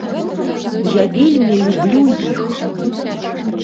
Я вельмі люблю іх!